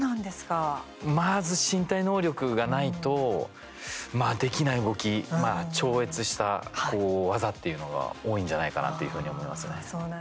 まず身体能力がないとできない動き、超越した技っていうのが多いんじゃかなというふうに思いますね。